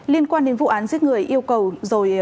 liên quan đến vụ án giết người yêu cầu rồi